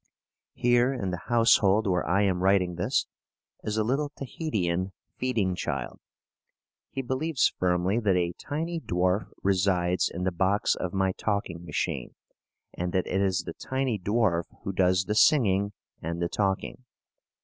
Here, in the household where I am writing this, is a little Tahitian "feeding child." He believes firmly that a tiny dwarf resides in the box of my talking machine and that it is the tiny dwarf who does the singing and the talking.